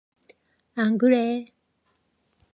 안 그래.